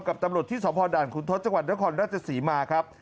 กับตำรวจที่สพด่านขุนทศจังหวัดนครราชศรีมาครับ